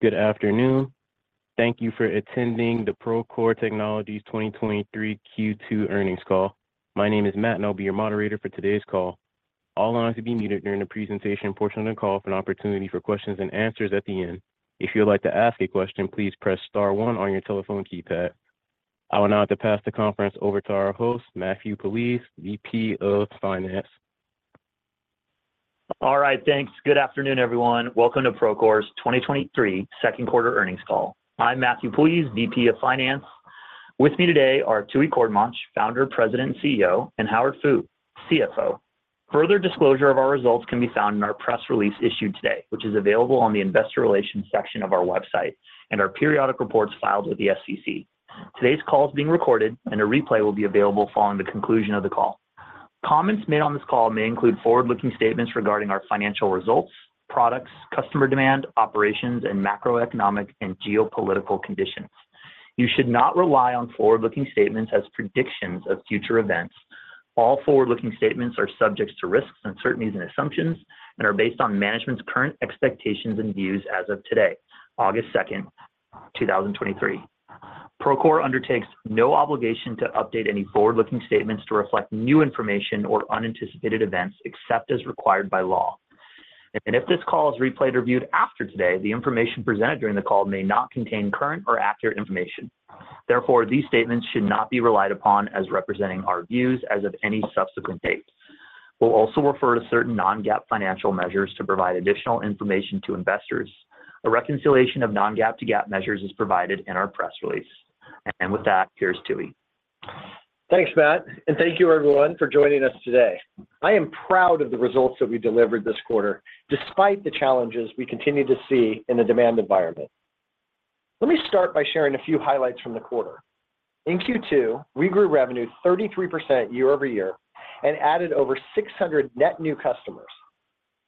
Good afternoon. Thank you for attending the Procore Technologies 2023 Q2 earnings call. My name is Matt, I'll be your moderator for today's call. All lines will be muted during the presentation portion of the call for an opportunity for questions and answers at the end. If you would like to ask a question, please press star one on your telephone keypad. I will now pass the conference over to our host, Matthew Puljiz, VP of Finance. All right, thanks. Good afternoon, everyone. Welcome to Procore's 2023 Q2 earnings call. I'm Matthew Puljiz, VP of Finance. With me today are Tooey Courtemanche, Founder, President, and CEO, and Howard Fu, CFO. Further disclosure of our results can be found in our press release issued today, which is available on the investor relations section of our website and our periodic reports filed with the SEC. Today's call is being recorded, and a replay will be available following the conclusion of the call. Comments made on this call may include forward-looking statements regarding our financial results, products, customer demand, operations, and macroeconomic and geopolitical conditions. You should not rely on forward-looking statements as predictions of future events. All forward-looking statements are subject to risks, uncertainties, and assumptions and are based on management's current expectations and views as of today, August second, 2023. Procore undertakes no obligation to update any forward-looking statements to reflect new information or unanticipated events, except as required by law. If this call is replayed or viewed after today, the information presented during the call may not contain current or accurate information. Therefore, these statements should not be relied upon as representing our views as of any subsequent date. We'll also refer to certain non-GAAP financial measures to provide additional information to investors. A reconciliation of non-GAAP to GAAP measures is provided in our press release. With that, here's Tooey. Thanks, Matt, and thank you everyone for joining us today. I am proud of the results that we delivered this quarter, despite the challenges we continue to see in the demand environment. Let me start by sharing a few highlights from the quarter. In Q2, we grew revenue 33% year-over-year and added over 600 net new customers,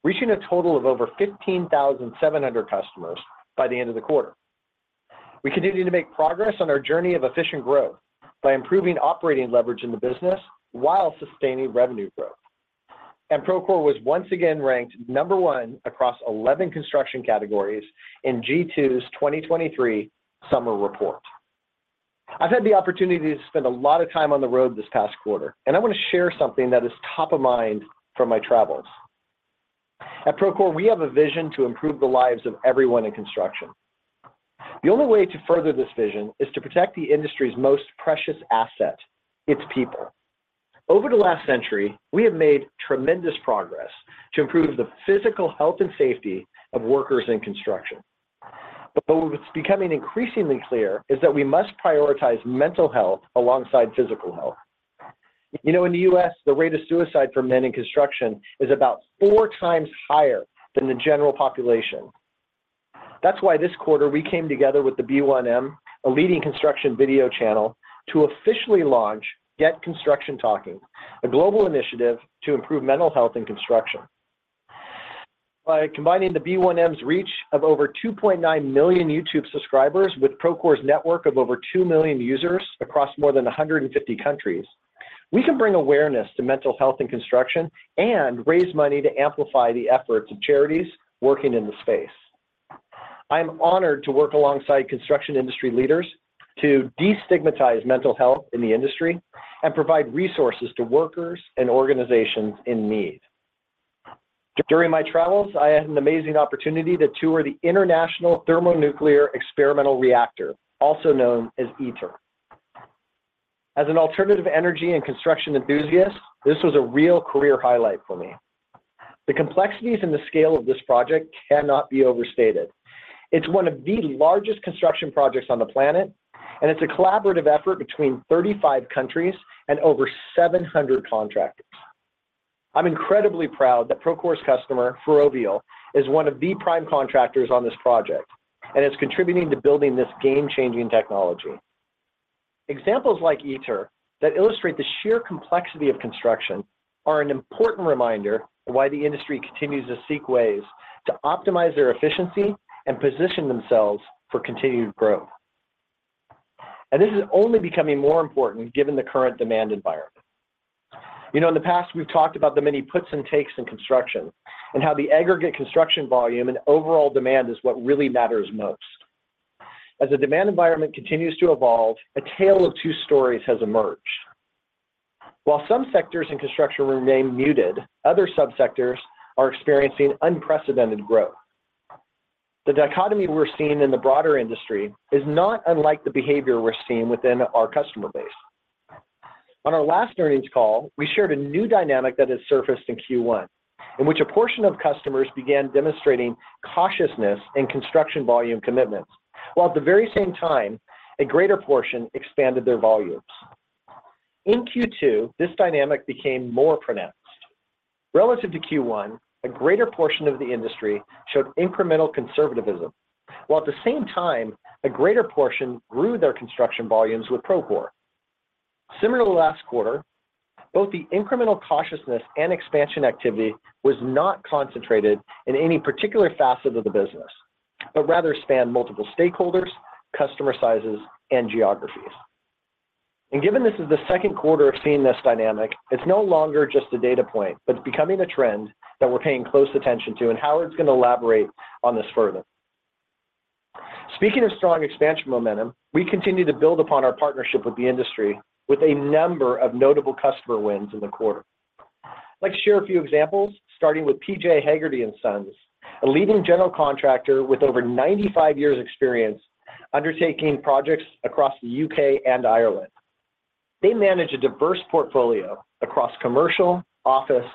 reaching a total of over 15,700 customers by the end of the quarter. We continue to make progress on our journey of efficient growth by improving operating leverage in the business while sustaining revenue growth. Procore was once again ranked number one across 11 construction categories in G2's 2023 summer report. I've had the opportunity to spend a lot of time on the road this past quarter, and I want to share something that is top of mind from my travels. At Procore, we have a vision to improve the lives of everyone in construction. The only way to further this vision is to protect the industry's most precious asset, its people. Over the last century, we have made tremendous progress to improve the physical health and safety of workers in construction. What's becoming increasingly clear is that we must prioritize mental health alongside physical health. You know, in the U.S., the rate of suicide for men in construction is about four times higher than the general population. That's why this quarter, we came together with The B1M, a leading construction video channel, to officially launch Get Construction Talking, a global initiative to improve mental health in construction. By combining The B1M's reach of over 2.9 million YouTube subscribers with Procore's network of over 2 million users across more than 150 countries, we can bring awareness to mental health and construction and raise money to amplify the efforts of charities working in the space. I'm honored to work alongside construction industry leaders to destigmatize mental health in the industry and provide resources to workers and organizations in need. During my travels, I had an amazing opportunity to tour the International Thermonuclear Experimental Reactor, also known as ITER. As an alternative energy and construction enthusiast, this was a real career highlight for me. The complexities and the scale of this project cannot be overstated. It's one of the largest construction projects on the planet, and it's a collaborative effort between 35 countries and over 700 contractors. I'm incredibly proud that Procore's customer, Ferrovial, is one of the prime contractors on this project and is contributing to building this game-changing technology. Examples like ITER that illustrate the sheer complexity of construction are an important reminder of why the industry continues to seek ways to optimize their efficiency and position themselves for continued growth. This is only becoming more important given the current demand environment. You know, in the past, we've talked about the many puts and takes in construction and how the aggregate construction volume and overall demand is what really matters most. As the demand environment continues to evolve, a tale of two stories has emerged. While some sectors in construction remain muted, other subsectors are experiencing unprecedented growth. The dichotomy we're seeing in the broader industry is not unlike the behavior we're seeing within our customer base. On our last earnings call, we shared a new dynamic that has surfaced in Q1, in which a portion of customers began demonstrating cautiousness in construction volume commitments, while at the very same time, a greater portion expanded their volumes. In Q2, this dynamic became more pronounced. Relative to Q1, a greater portion of the industry showed incremental conservativism, while at the same time, a greater portion grew their construction volumes with Procore. Similar to last quarter, both the incremental cautiousness and expansion activity was not concentrated in any particular facet of the business, but rather spanned multiple stakeholders, customer sizes, and geographies. Given this is the Q2 of seeing this dynamic, it's no longer just a data point, but it's becoming a trend that we're paying close attention to, and Howard's going to elaborate on this further. Speaking of strong expansion momentum, we continue to build upon our partnership with the industry with a number of notable customer wins in the quarter. I'd like to share a few examples, starting with P.J. Hegarty & Sons, a leading general contractor with over 95 years experience undertaking projects across the UK and Ireland. They manage a diverse portfolio across commercial, office,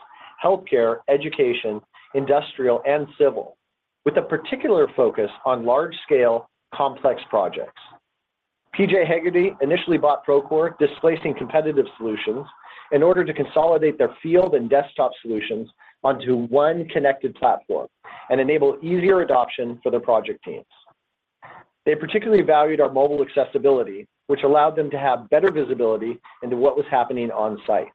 healthcare, education, industrial, and civil, with a particular focus on large scale, complex projects. P.J. Hegarty initially bought Procore, displacing competitive solutions, in order to consolidate their field and desktop solutions onto one connected platform and enable easier adoption for their project teams. They particularly valued our mobile accessibility, which allowed them to have better visibility into what was happening on site.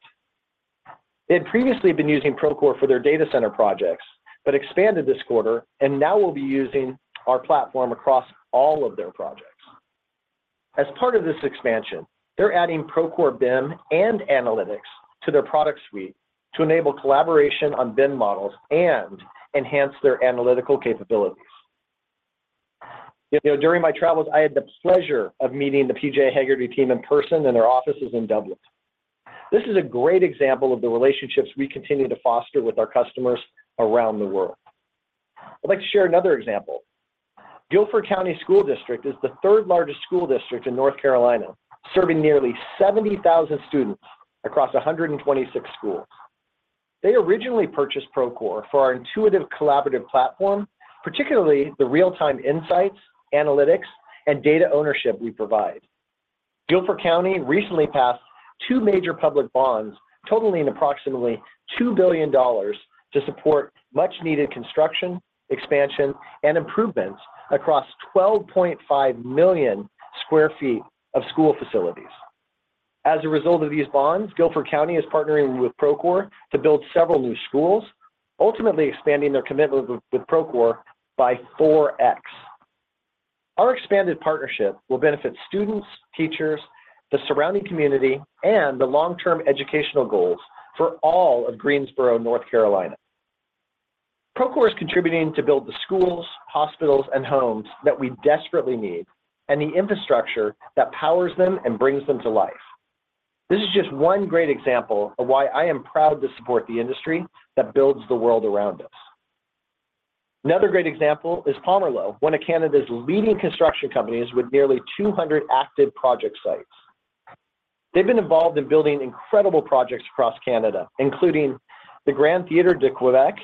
They had previously been using Procore for their data center projects. Expanded this quarter and now will be using our platform across all of their projects. As part of this expansion, they're adding Procore BIM and analytics to their product suite to enable collaboration on BIM models and enhance their analytical capabilities. You know, during my travels, I had the pleasure of meeting the P.J. Hegarty team in person in their offices in Dublin. This is a great example of the relationships we continue to foster with our customers around the world. I'd like to share another example. Guilford County School District is the third largest school district in North Carolina, serving nearly 70,000 students across 126 schools. They originally purchased Procore for our intuitive collaborative platform, particularly the real-time insights, analytics, and data ownership we provide. Guilford County recently passed two major public bonds totaling approximately $2 billion to support much-needed construction, expansion, and improvements across 12.5 million sq ft of school facilities. As a result of these bonds, Guilford County is partnering with Procore to build several new schools, ultimately expanding their commitment with, with Procore by 4x. Our expanded partnership will benefit students, teachers, the surrounding community, and the long-term educational goals for all of Greensboro, North Carolina. Procore is contributing to build the schools, hospitals, and homes that we desperately need, and the infrastructure that powers them and brings them to life. This is just one great example of why I am proud to support the industry that builds the world around us. Another great example is Pomerleau, one of Canada's leading construction companies with nearly 200 active project sites. They've been involved in building incredible projects across Canada, including the Grand Théâtre de Québec,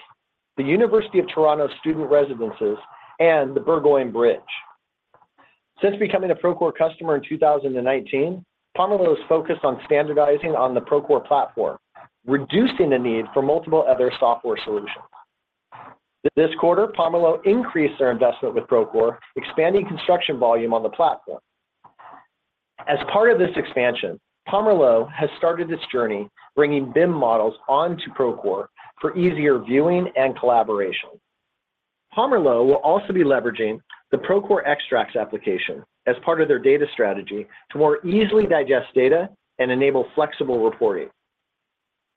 the University of Toronto student residences, and the Burgoyne Bridge. Since becoming a Procore customer in 2019, Pomerleau is focused on standardizing on the Procore platform, reducing the need for multiple other software solutions. This quarter, Pomerleau increased their investment with Procore, expanding construction volume on the platform. As part of this expansion, Pomerleau has started this journey, bringing BIM models onto Procore for easier viewing and collaboration. Pomerleau will also be leveraging the Procore Extracts application as part of their data strategy to more easily digest data and enable flexible reporting.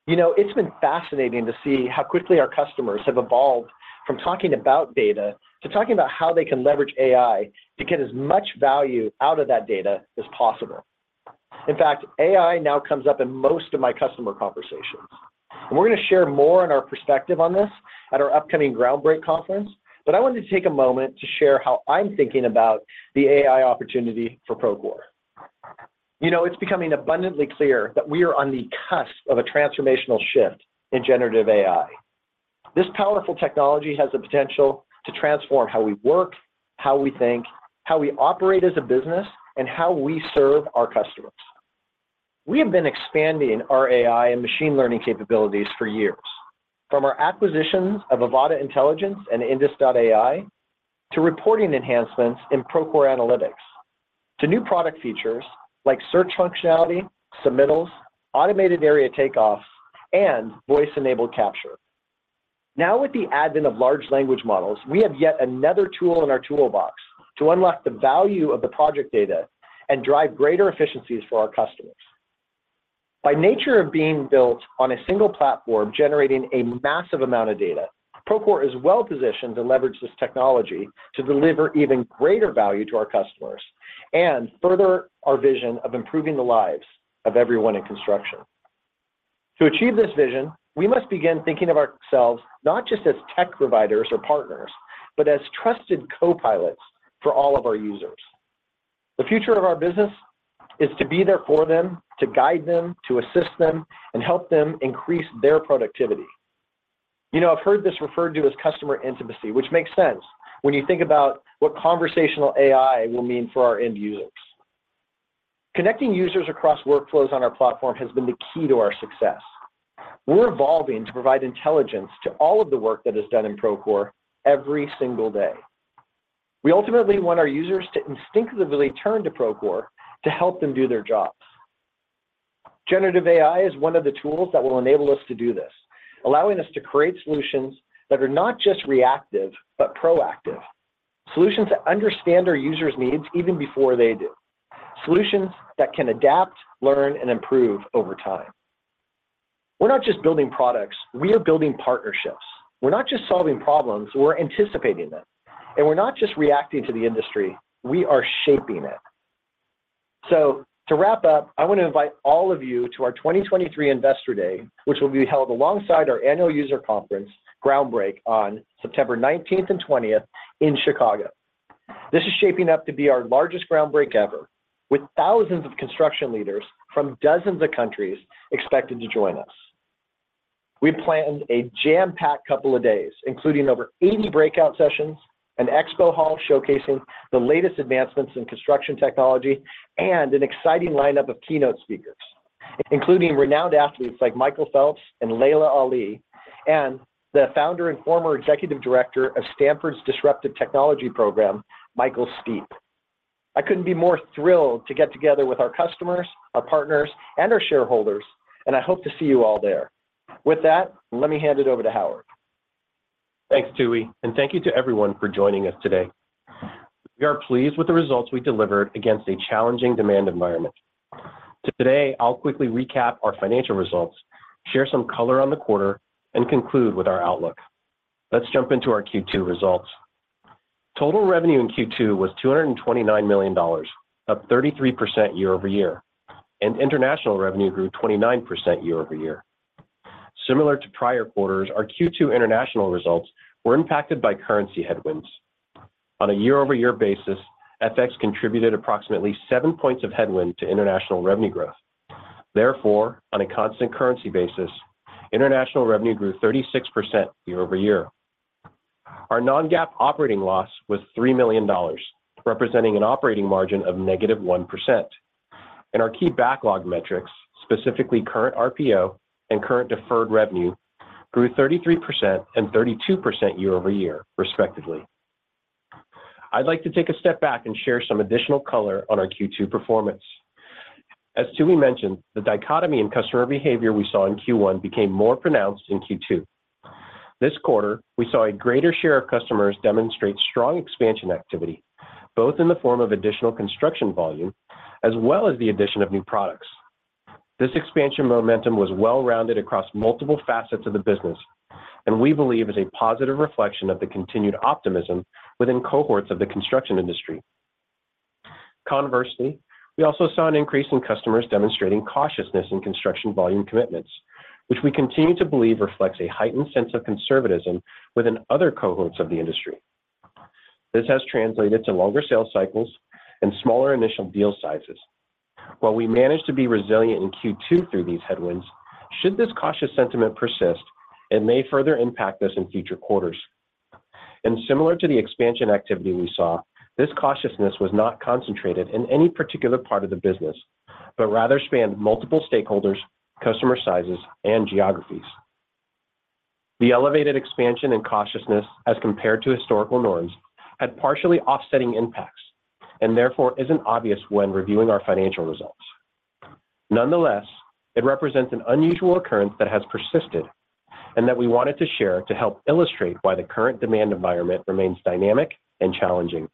You know, it's been fascinating to see how quickly our customers have evolved from talking about data to talking about how they can leverage AI to get as much value out of that data as possible. In fact, AI now comes up in most of my customer conversations. We're going to share more on our perspective on this at our upcoming Groundbreak conference, but I wanted to take a moment to share how I'm thinking about the AI opportunity for Procore. You know, it's becoming abundantly clear that we are on the cusp of a transformational shift in generative AI. This powerful technology has the potential to transform how we work, how we think, how we operate as a business, and how we serve our customers. We have been expanding our AI and machine learning capabilities for years, from our acquisitions of Avata Intelligence and Indus.ai, to reporting enhancements in Procore Analytics, to new product features like search functionality, submittals, automated area takeoffs, and voice-enabled capture. With the advent of large language models, we have yet another tool in our toolbox to unlock the value of the project data and drive greater efficiencies for our customers. By nature of being built on a single platform, generating a massive amount of data, Procore is well positioned to leverage this technology to deliver even greater value to our customers and further our vision of improving the lives of everyone in construction. To achieve this vision, we must begin thinking of ourselves not just as tech providers or partners, but as trusted co-pilots for all of our users. The future of our business is to be there for them, to guide them, to assist them, and help them increase their productivity. You know, I've heard this referred to as customer intimacy, which makes sense when you think about what conversational AI will mean for our end users. Connecting users across workflows on our platform has been the key to our success. We're evolving to provide intelligence to all of the work that is done in Procore every single day. We ultimately want our users to instinctively turn to Procore to help them do their jobs. Generative AI is one of the tools that will enable us to do this, allowing us to create solutions that are not just reactive, but proactive. Solutions that understand our users' needs even before they do. Solutions that can adapt, learn, and improve over time. We're not just building products, we are building partnerships. We're not just solving problems, we're anticipating them. We're not just reacting to the industry, we are shaping it. To wrap up, I want to invite all of you to our 2023 Investor Day, which will be held alongside our annual user conference, Groundbreak, on September nineteenth and twentieth in Chicago. This is shaping up to be our largest Groundbreak ever, with thousands of construction leaders from dozens of countries expected to join us. We've planned a jam-packed couple of days, including over 80 breakout sessions, an expo hall showcasing the latest advancements in construction technology, and an exciting lineup of keynote speakers, including renowned athletes like Michael Phelps and Laila Ali, and the founder and former executive director of Stanford's Disruptive Technology Program, Michael Steep. I couldn't be more thrilled to get together with our customers, our partners, and our shareholders, and I hope to see you all there. With that, let me hand it over to Howard. Thanks, Tooey, and thank you to everyone for joining us today. We are pleased with the results we delivered against a challenging demand environment. Today, I'll quickly recap our financial results, share some color on the quarter, and conclude with our outlook. Let's jump into our Q2 results. Total revenue in Q2 was $229 million, up 33% year-over-year. International revenue grew 29% year-over-year. Similar to prior quarters, our Q2 international results were impacted by currency headwinds. On a year-over-year basis, FX contributed approximately seven points of headwind to international revenue growth. Therefore, on a constant currency basis, international revenue grew 36% year-over-year. Our non-GAAP operating loss was $3 million, representing an operating margin of negative 1%. Our key backlog metrics, specifically current RPO and current deferred revenue, grew 33% and 32% year-over-year, respectively. I'd like to take a step back and share some additional color on our Q2 performance. As Tooey mentioned, the dichotomy in customer behavior we saw in Q1 became more pronounced in Q2. This quarter, we saw a greater share of customers demonstrate strong expansion activity, both in the form of additional construction volume, as well as the addition of new products. This expansion momentum was well-rounded across multiple facets of the business, and we believe is a positive reflection of the continued optimism within cohorts of the construction industry. Conversely, we also saw an increase in customers demonstrating cautiousness in construction volume commitments, which we continue to believe reflects a heightened sense of conservatism within other cohorts of the industry. This has translated to longer sales cycles and smaller initial deal sizes. While we managed to be resilient in Q2 through these headwinds, should this cautious sentiment persist, it may further impact us in future quarters. Similar to the expansion activity we saw, this cautiousness was not concentrated in any particular part of the business, but rather spanned multiple stakeholders, customer sizes, and geographies. The elevated expansion and cautiousness as compared to historical norms had partially offsetting impacts, and therefore isn't obvious when reviewing our financial results. Nonetheless, it represents an unusual occurrence that has persisted and that we wanted to share to help illustrate why the current demand environment remains dynamic and challenging.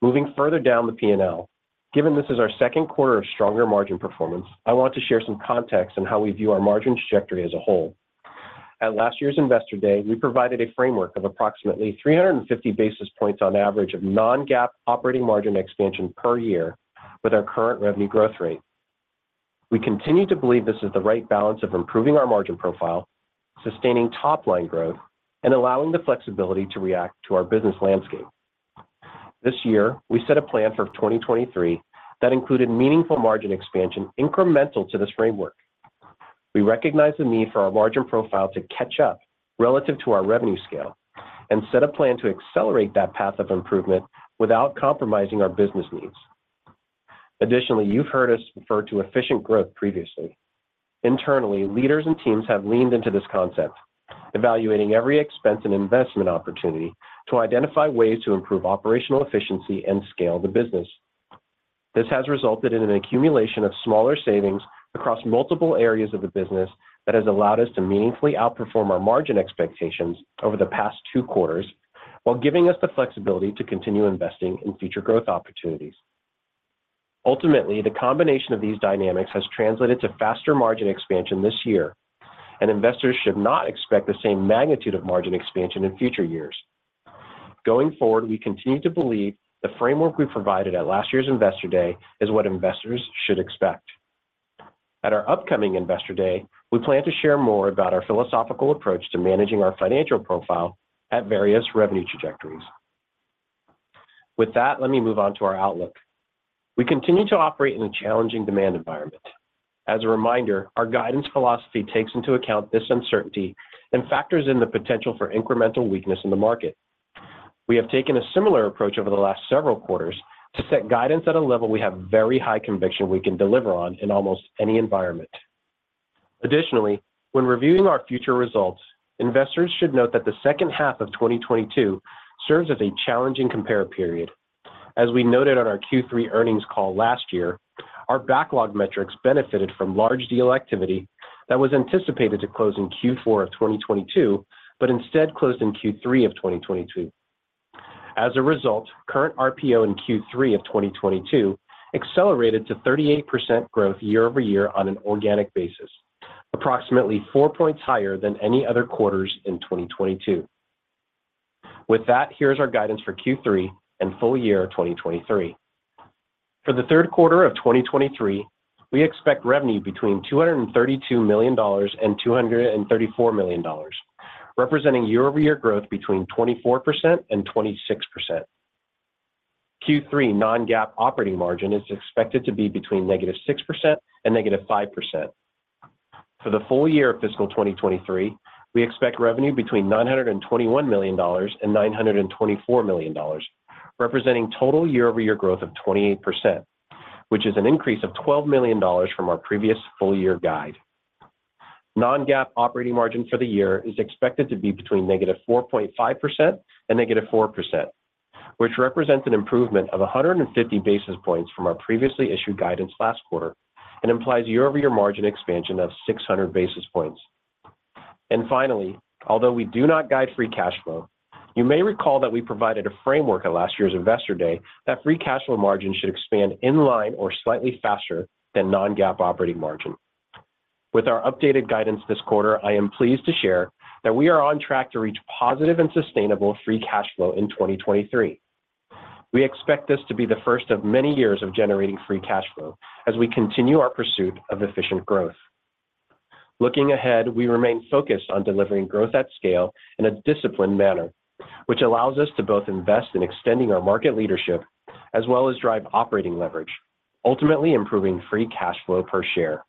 Moving further down the P&L, given this is our Q2 of stronger margin performance, I want to share some context on how we view our margin trajectory as a whole. At last year's Investor Day, we provided a framework of approximately 350 basis points on average of non-GAAP operating margin expansion per year with our current revenue growth rate. We continue to believe this is the right balance of improving our margin profile, sustaining top-line growth, and allowing the flexibility to react to our business landscape. This year, we set a plan for 2023 that included meaningful margin expansion incremental to this framework. We recognize the need for our margin profile to catch up relative to our revenue scale and set a plan to accelerate that path of improvement without compromising our business needs. Additionally, you've heard us refer to efficient growth previously. Internally, leaders and teams have leaned into this concept, evaluating every expense and investment opportunity to identify ways to improve operational efficiency and scale the business. This has resulted in an accumulation of smaller savings across multiple areas of the business that has allowed us to meaningfully outperform our margin expectations over the past 2 quarters, while giving us the flexibility to continue investing in future growth opportunities. Ultimately, the combination of these dynamics has translated to faster margin expansion this year. Investors should not expect the same magnitude of margin expansion in future years. Going forward, we continue to believe the framework we provided at last year's Investor Day is what investors should expect. At our upcoming Investor Day, we plan to share more about our philosophical approach to managing our financial profile at various revenue trajectories. With that, let me move on to our outlook. We continue to operate in a challenging demand environment. As a reminder, our guidance philosophy takes into account this uncertainty and factors in the potential for incremental weakness in the market. We have taken a similar approach over the last several quarters to set guidance at a level we have very high conviction we can deliver on in almost any environment. Additionally, when reviewing our future results, investors should note that the second half of 2022 serves as a challenging compare period. As we noted on our Q3 earnings call last year, our backlog metrics benefited from large deal activity that was anticipated to close in Q4 of 2022, but instead closed in Q3 of 2022. As a result, current RPO in Q3 of 2022 accelerated to 38% growth year-over-year on an organic basis, approximately four points higher than any other quarters in 2022. With that, here's our guidance for Q3 and full year 2023. For the Q3 of 2023, we expect revenue between $232 million and $234 million, representing year-over-year growth between 24% and 26%. Q3 non-GAAP operating margin is expected to be between -6% and -5%. For the full year of fiscal 2023, we expect revenue between $921 million and $924 million, representing total year-over-year growth of 28%, which is an increase of $12 million from our previous full year guide. Non-GAAP operating margin for the year is expected to be between -4.5% and -4%, which represents an improvement of 150 basis points from our previously issued guidance last quarter and implies year-over-year margin expansion of 600 basis points. Finally, although we do not guide free cash flow, you may recall that we provided a framework at last year's Investor Day that free cash flow margin should expand in line or slightly faster than non-GAAP operating margin. With our updated guidance this quarter, I am pleased to share that we are on track to reach positive and sustainable free cash flow in 2023. We expect this to be the first of many years of generating free cash flow as we continue our pursuit of efficient growth. Looking ahead, we remain focused on delivering growth at scale in a disciplined manner, which allows us to both invest in extending our market leadership as well as drive operating leverage, ultimately improving free cash flow per share.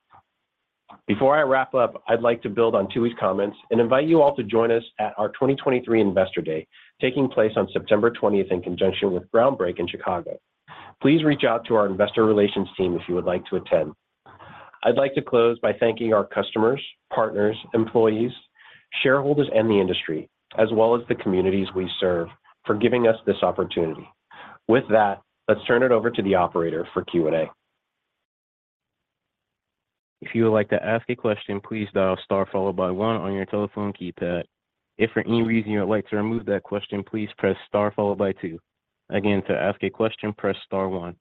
Before I wrap up, I'd like to build on Tooey's comments and invite you all to join us at our 2023 Investor Day, taking place on September 20th in conjunction with Groundbreak in Chicago. Please reach out to our investor relations team if you would like to attend. I'd like to close by thanking our customers, partners, employees, shareholders, and the industry, as well as the communities we serve, for giving us this opportunity. With that, let's turn it over to the operator for Q&A. If you would like to ask a question, please dial star followed by one on your telephone keypad. If for any reason you would like to remove that question, please press star followed by two. Again, to ask a question, press star one.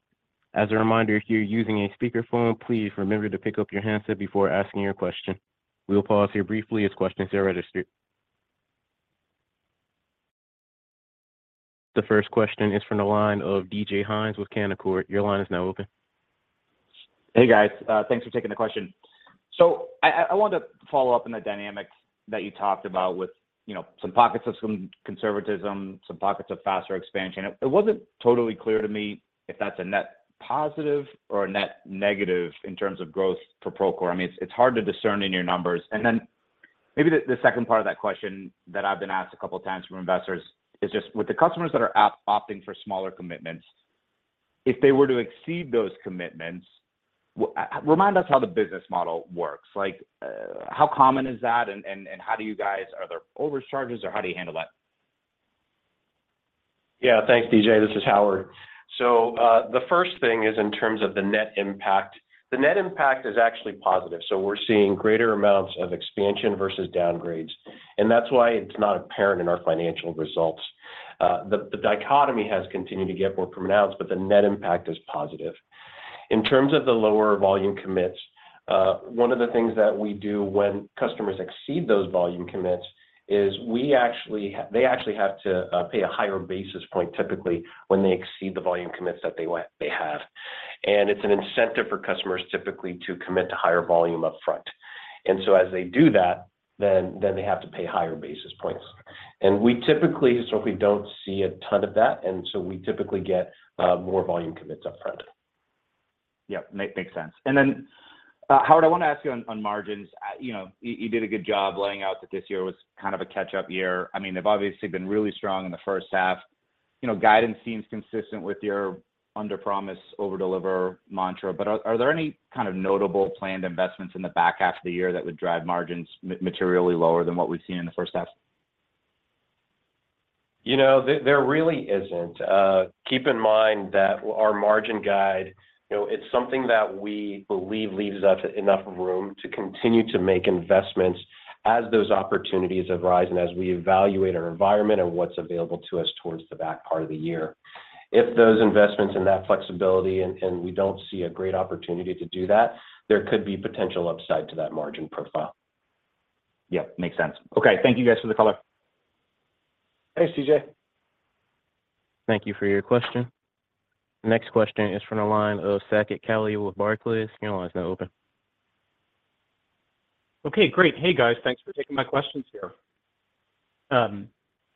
As a reminder, if you're using a speakerphone, please remember to pick up your handset before asking your question. We'll pause here briefly as questions are registered. The first question is from the line of DJ Hynes with Canaccord. Your line is now open. Hey, guys, thanks for taking the question. I, want to follow up on the dynamics that you talked about with, you know, some pockets of some conservatism, some pockets of faster expansion. It, it wasn't totally clear to me if that's a net positive or a net negative in terms of growth for Procore. I mean, it's, it's hard to discern in your numbers. Then maybe the, the second part of that question that I've been asked a couple of times from investors is just with the customers that are opting for smaller commitments, if they were to exceed those commitments, remind us how the business model works. Like, how common is that and, and, and how do you guys... Are there overcharges, or how do you handle that? Yeah, thanks, DJ. This is Howard. The first thing is in terms of the net impact. The net impact is actually positive, so we're seeing greater amounts of expansion versus downgrades, and that's why it's not apparent in our financial results. The dichotomy has continued to get more pronounced, but the net impact is positive. In terms of the lower volume commits, one of the things that we do when customers exceed those volume commits is we actually, they actually have to pay a higher basis point, typically, when they exceed the volume commits that they have. It's an incentive for customers typically to commit to higher volume upfront. As they do that, then, then they have to pay higher basis points. We typically certainly don't see a ton of that, and so we typically get more volume commits upfront. Yep. Make, makes sense. Then, Howard, I want to ask you on, on margins. You know, you, you did a good job laying out that this year was kind of a catch-up year. I mean, they've obviously been really strong in the first half. You know, guidance seems consistent with your underpromise, overdeliver mantra, but are, are there any kind of notable planned investments in the back half of the year that would drive margins materially lower than what we've seen in the first half? You know, there, there really isn't. Keep in mind that our margin guide, you know, it's something that we believe leaves us enough room to continue to make investments as those opportunities arise and as we evaluate our environment and what's available to us towards the back part of the year. If those investments and that flexibility and, and we don't see a great opportunity to do that, there could be potential upside to that margin profile. Yep, makes sense. Okay, thank you guys for the color. Thanks, DJ. Thank you for your question. Next question is from the line of Saket Kalia with Barclays. Your line is now open. Okay, great. Hey, guys. Thanks for taking my questions here.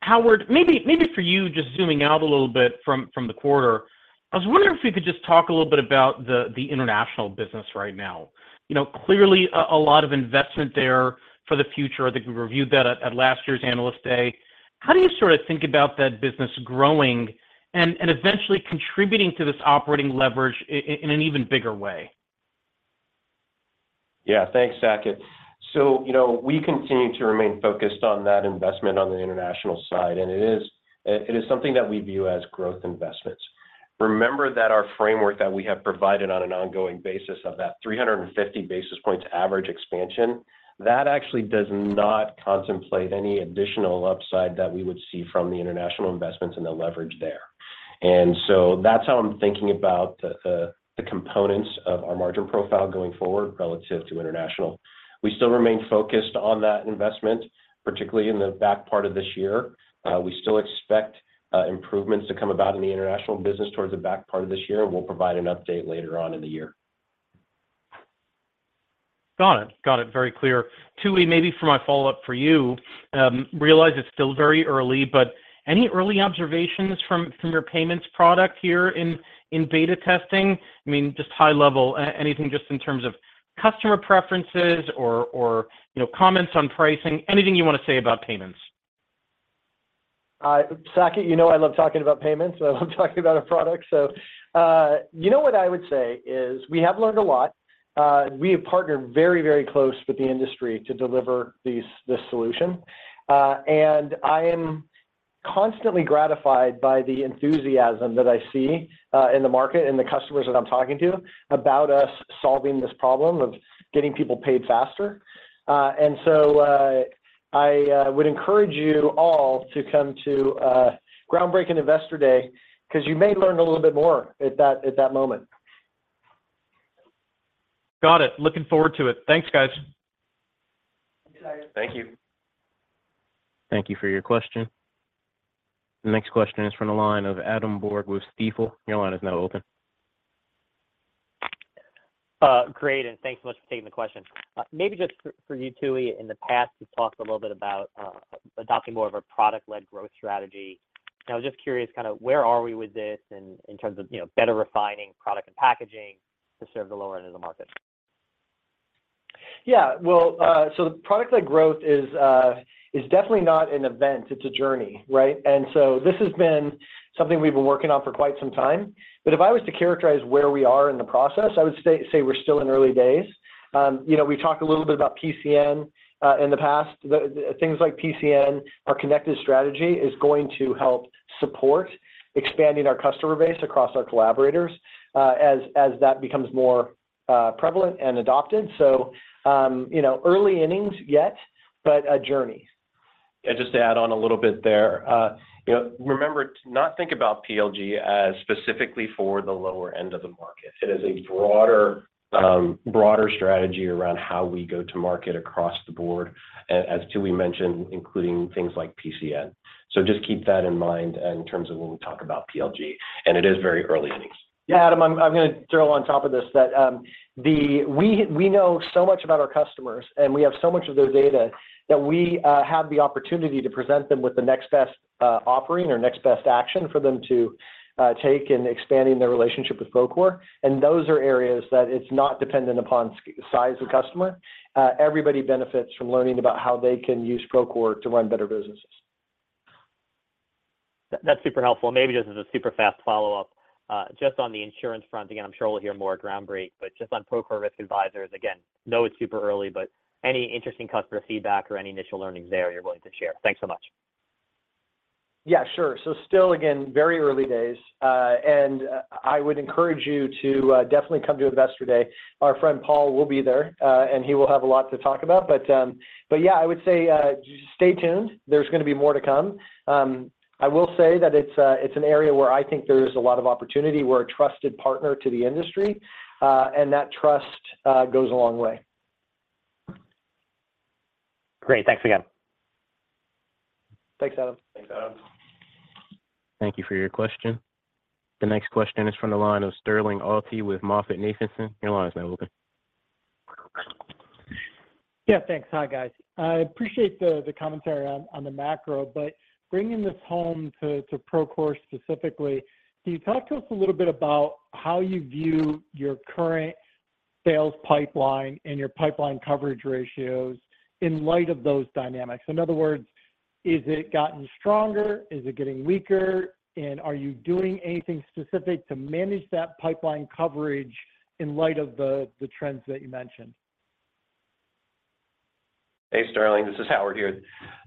Howard, maybe for you, just zooming out a little bit from the quarter, I was wondering if you could just talk a little bit about the international business right now. You know, clearly a lot of investment there for the future. I think we reviewed that at last year's Analyst Day. How do you sort of think about that business growing and eventually contributing to this operating leverage in an even bigger way? Yeah, thanks, Saket. You know, we continue to remain focused on that investment on the international side, and it is, it, it is something that we view as growth investments. Remember that our framework that we have provided on an ongoing basis of that 350 basis points average expansion, that actually does not contemplate any additional upside that we would see from the international investments and the leverage there. That's how I'm thinking about the components of our margin profile going forward relative to international. We still remain focused on that investment, particularly in the back part of this year. We still expect improvements to come about in the international business towards the back part of this year. We'll provide an update later on in the year. Got it. Got it. Very clear. Tooey, maybe for my follow-up for you, realize it's still very early, but any early observations from, from your payments product here in, in beta testing? I mean, just high level, anything just in terms of customer preferences or, or, you know, comments on pricing, anything you want to say about payments? Saket, you know, I love talking about payments, I love talking about our products. You know what I would say is we have learned a lot. We have partnered very, very close with the industry to deliver this solution. I am constantly gratified by the enthusiasm that I see in the market and the customers that I'm talking to about us solving this problem of getting people paid faster. I would encourage you all to come to Groundbreak Investor Day, because you may learn a little bit more at that, at that moment. Got it. Looking forward to it. Thanks, guys. Thanks, guys. Thank you. Thank you for your question. The next question is from the line of Adam Borg with Stifel. Your line is now open. Great, thanks so much for taking the question. Maybe just for, for you, Tooey, in the past, you've talked a little bit about adopting more of a product-led growth strategy. I was just curious, kind of where are we with this and in terms of, you know, better refining product and packaging to serve the lower end of the market? Yeah. Well, so the product-led growth is definitely not an event, it's a journey, right? This has been something we've been working on for quite some time. If I was to characterize where we are in the process, I would say we're still in early days. You know, we talked a little bit about PCN in the past. The things like PCN, our connected strategy, is going to help support expanding our customer base across our collaborators, as that becomes more prevalent and adopted. You know, early innings yet, but a journey. Yeah, just to add on a little bit there. you know, remember to not think about PLG as specifically for the lower end of the market. It is a broader, broader strategy around how we go to market across the board, as Tui mentioned, including things like PCN. just keep that in mind in terms of when we talk about PLG, and it is very early innings. Yeah, Adam, I'm, I'm gonna throw on top of this that we, we know so much about our customers, and we have so much of their data that we have the opportunity to present them with the next best offering or next best action for them to take in expanding their relationship with Procore. Those are areas that it's not dependent upon size of customer. Everybody benefits from learning about how they can use Procore to run better businesses. That's super helpful, and maybe just as a super fast follow-up, just on the insurance front. Again, I'm sure we'll hear more at Groundbreak, but just on Procore Risk Advisors, again, know it's super early, but any interesting customer feedback or any initial learnings there you're willing to share? Thanks so much. Yeah, sure. Still, again, very early days, I would encourage you to definitely come to Investor Day. Our friend Paul will be there, he will have a lot to talk about. But yeah, I would say, stay tuned. There's gonna be more to come. I will say that it's a, it's an area where I think there is a lot of opportunity. We're a trusted partner to the industry, that trust goes a long way. Great. Thanks again. Thanks, Adam. Thanks, Adam. Thank you for your question. The next question is from the line of Sterling Auty with MoffettNathanson. Your line is now open. Yeah, thanks. Hi, guys. I appreciate the, the commentary on, on the macro, bringing this home to, to Procore specifically, can you talk to us a little bit about how you view your current sales pipeline and your pipeline coverage ratios in light of those dynamics? In other words, is it gotten stronger? Is it getting weaker? Are you doing anything specific to manage that pipeline coverage in light of the, the trends that you mentioned? Hey, Sterling, this is Howard here.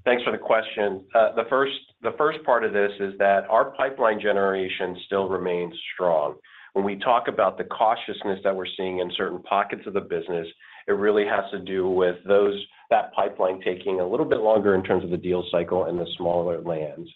Thanks for the question. The first, the first part of this is that our pipeline generation still remains strong. When we talk about the cautiousness that we're seeing in certain pockets of the business, it really has to do with that pipeline taking a little bit longer in terms of the deal cycle and the smaller lands.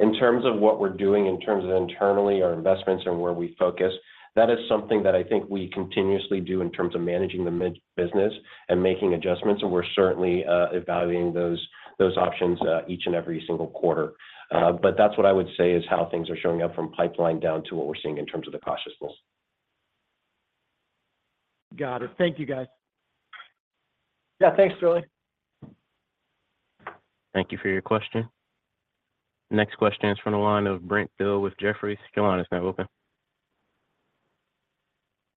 In terms of what we're doing in terms of internally, our investments and where we focus, that is something that I think we continuously do in terms of managing the mid business and making adjustments, and we're certainly evaluating those, those options each and every single quarter. That's what I would say is how things are showing up from pipeline down to what we're seeing in terms of the cautiousness. Got it. Thank you, guys. Yeah, thanks, Sterling. Thank you for your question. Next question is from the line of Brent Thill with Jefferies. Your line is now open.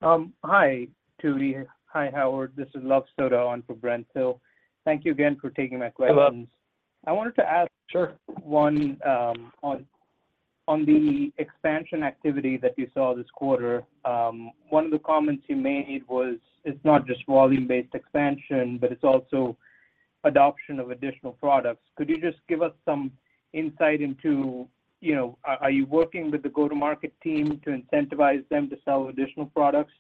Hi, Tooey. Hi, Howard. This is Luv Sodha on for Brent Thill. Thank you again for taking my questions. Hello. I wanted to ask. Sure... one, on the expansion activity that you saw this quarter, one of the comments you made was it's not just volume-based expansion, but it's also adoption of additional products. Could you just give us some insight into, you know, are you working with the go-to-market team to incentivize them to sell additional products?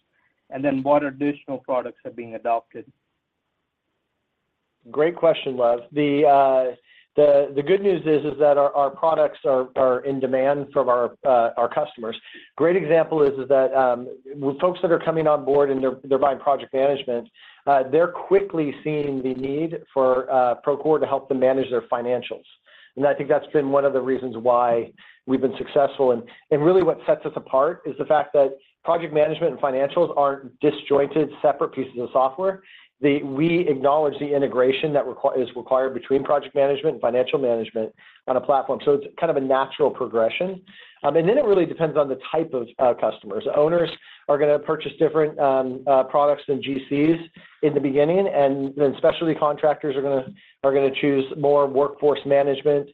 What additional products are being adopted? Great question, Love. The good news is that our products are in demand from our customers. Great example is that with folks that are coming on board and they're buying project management, they're quickly seeing the need for Procore to help them manage their financials. I think that's been one of the reasons why we've been successful. Really what sets us apart is the fact that project management and financials aren't disjointed, separate pieces of software. We acknowledge the integration that is required between project management and financial management on a platform, so it's kind of a natural progression. Then it really depends on the type of customers. Owners are gonna purchase different products than GCs in the beginning, and then specialty contractors are gonna choose more workforce management,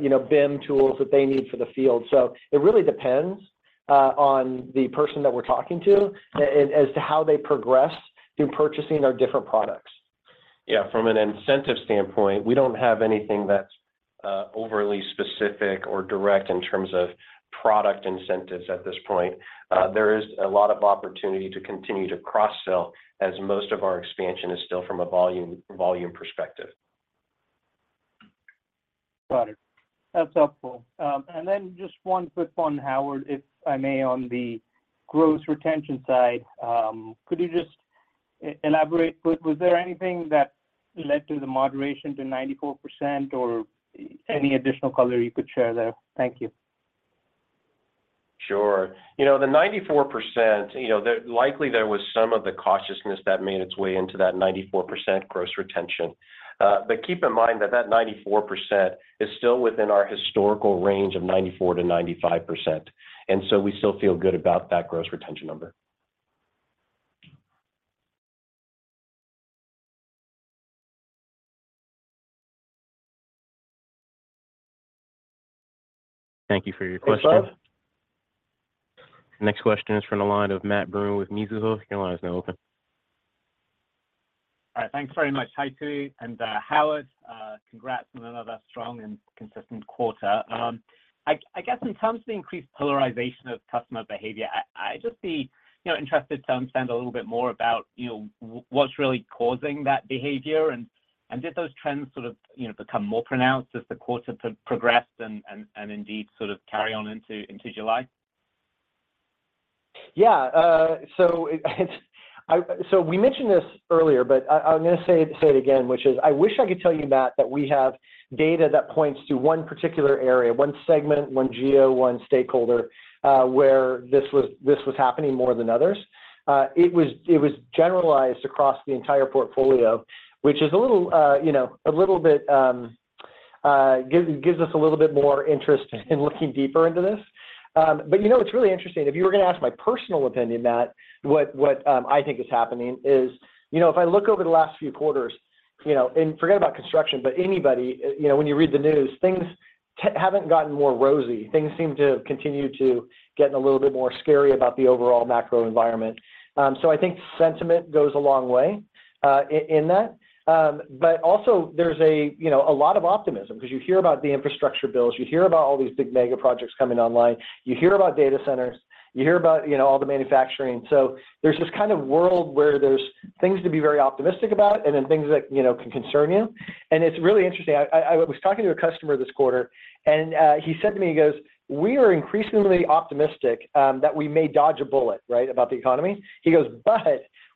you know, BIM tools that they need for the field. It really depends on the person that we're talking to as to how they progress through purchasing our different products. Yeah, from an incentive standpoint, we don't have anything that's overly specific or direct in terms of product incentives at this point. There is a lot of opportunity to continue to cross-sell, as most of our expansion is still from a volume, volume perspective. Got it. That's helpful. Then just one quick one, Howard, if I may, on the gross retention side. Could you just elaborate, was there anything that led to the moderation to 94% or any additional color you could share there? Thank you. Sure. You know, the 94%, you know, likely there was some of the cautiousness that made its way into that 94% gross retention. Keep in mind that that 94% is still within our historical range of 94%-95%. We still feel good about that gross retention number. Thank you for your question. Thanks, Love. Next question is from the line of Matt Broome with Mizuho. Your line is now open. All right, thanks very much, Tooey and Howard. Congrats on another strong and consistent quarter. I guess in terms of the increased polarization of customer behavior, I'd just be, you know, interested to understand a little bit more about, you know, what's really causing that behavior, and did those trends sort of, you know, become more pronounced as the quarter progressed and indeed, sort of carry on into, into July? Yeah, so it, so we mentioned this earlier, but I, I'm gonna say, say it again, which is I wish I could tell you, Matt, that we have data that points to one particular area, one segment, one geo, one stakeholder, where this was, this was happening more than others. It was, it was generalized across the entire portfolio, which is a little, you know, a little bit, gives, gives us a little bit more interest in looking deeper into this. You know, it's really interesting. If you were gonna ask my personal opinion, Matt, what, what, I think is happening is, you know, if I look over the last few quarters, you know, and forget about construction, but anybody, you know, when you read the news, things haven't gotten more rosy. Things seem to continue to get a little bit more scary about the overall macro environment. I think sentiment goes a long way in that. Also there's a, you know, a lot of optimism 'cause you hear about the infrastructure bills, you hear about all these big mega projects coming online, you hear about data centers, you hear about, you know, all the manufacturing. There's this kind of world where there's things to be very optimistic about, and then things that, you know, can concern you. It's really interesting. I, I, I was talking to a customer this quarter, he said to me, he goes, "We are increasingly optimistic that we may dodge a bullet," right, about the economy. He goes,